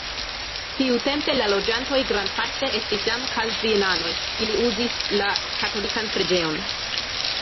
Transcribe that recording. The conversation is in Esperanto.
Tiutempe la loĝantoj grandparte estis jam kalvinanoj, ili uzis la katolikan preĝejon.